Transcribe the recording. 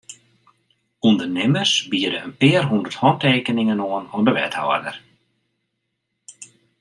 Undernimmers biede in pear hûndert hantekeningen oan oan de wethâlder.